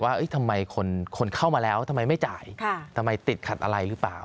ว่าทำไมคนเข้ามาแล้วทำไมไม่จ่ายทำไมติดขัดอะไรหรือเปล่า